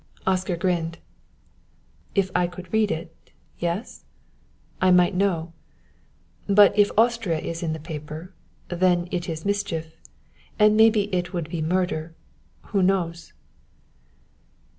Oscar grinned. "If I could read it yes; I might know; but if Austria is in the paper, then it is mischief; and maybe it would be murder; who knows?"